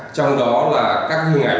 trong đó là các hình ảnh